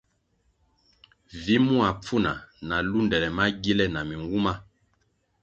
Vi mua pfuna na lundele magile na minwuma.